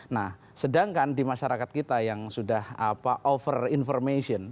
nah sedangkan di masyarakat kita yang sudah over information